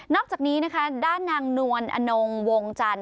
อกจากนี้นะคะด้านนางนวลอนงวงจันท